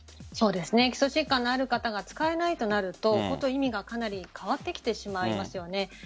基礎疾患のある方が使えないとなると本当に意味がかなり変わってきてしまいますよね。